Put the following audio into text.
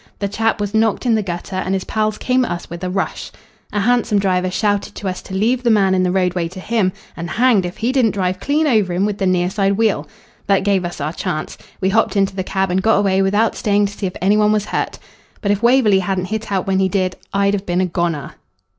The chap was knocked in the gutter and his pals came at us with a rush. A hansom driver shouted to us to leave the man in the roadway to him, and hanged if he didn't drive clean over him with the near side wheel. That gave us our chance. We hopped into the cab and got away without staying to see if any one was hurt. But if Waverley hadn't hit out when he did I'd have been a goner."